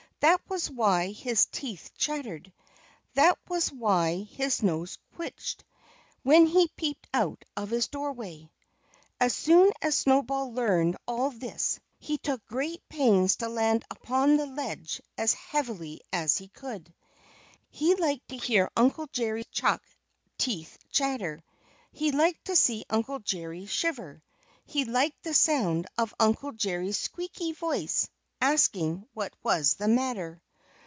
That was why his teeth chattered. That was why his nose twitched, when he peeped out of his doorway. As soon as Snowball learned all this he took great pains to land upon the ledge as heavily as he could. He liked to hear Uncle Jerry Chuck's teeth chatter; he liked to see Uncle Jerry shiver; he liked the sound of Uncle Jerry's squeaky voice asking what was the matter.